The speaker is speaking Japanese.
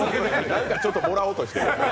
何かちょっともらおうとしてるな。